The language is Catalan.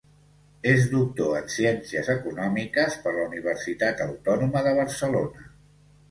És doctor en Ciències Econòmiques per la Universitat Autònoma de Barcelona.